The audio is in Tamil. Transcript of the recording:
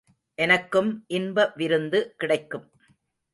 எனக்கும் இன்ப விருந்து கிடைக்கும்.